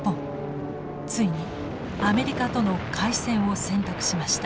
ついにアメリカとの開戦を選択しました。